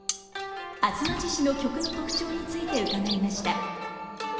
「吾妻獅子」の曲の特徴について伺いました。